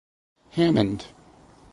Hammond.